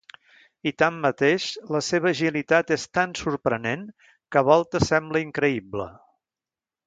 I tanmateix la seva agilitat és tan sorprenent que a voltes sembla increïble.